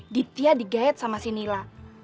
ditia digayat sama si nila